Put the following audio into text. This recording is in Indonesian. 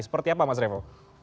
seperti apa mas revo